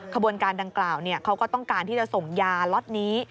ขบวนการดังกล่าวเขาก็ต้องการที่จะส่งยาล็อตนี้